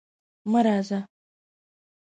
مه راځه!